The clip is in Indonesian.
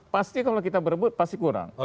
pasti kalau kita berebut pasti kurang